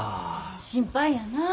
心配やなぁ。